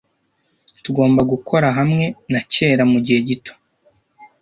Tugomba gukora hamwe na kera mugihe gito.